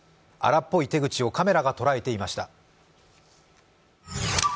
荒っぽい手口をカメラが捉えていました。